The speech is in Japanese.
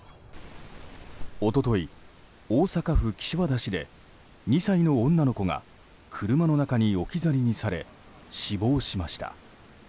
一昨日、大阪府岸和田市で２歳の女の子が車の中に置き去りにされ死亡しました。